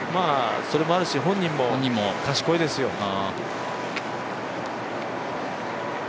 それもあるし本人も賢いですよ